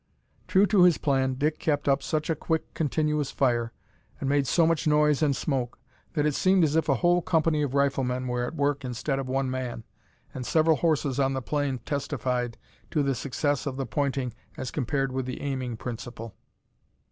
True to his plan, Dick kept up such a quick continuous fire, and made so much noise and smoke, that it seemed as if a whole company of riflemen were at work instead of one man, and several horses on the plain testified to the success of the pointing as compared with the aiming principle!